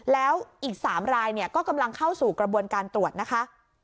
แล้วอีก๓รายก็กำลังเข้าสู่กระบวนการตรวจนะคะ